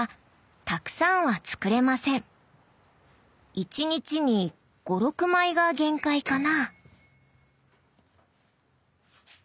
１日に５６枚が限界かな。